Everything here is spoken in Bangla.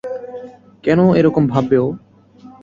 কেন এরকম ভাববে ও?